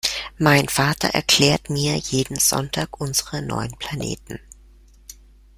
Mein Vater erklärt mir jeden Sonntag unsere neun Planeten.